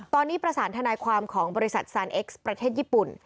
ตอนนี้ประสานทนายความของบริษัทซานเอ็กซ์ประเทศญี่ปุ่น